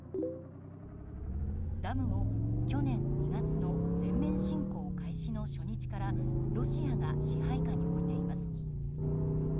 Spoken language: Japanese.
ダムも去年２月の全面侵攻開始の初日からロシアが支配下に置いています。